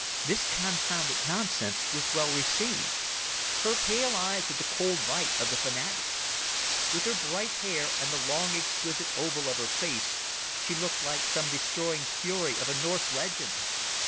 This confounded nonsense was well received. Her pale eyes had the cold light of the fanatic. With her bright hair and the long exquisite oval of her face she looked like some destroying fury of a Norse legend.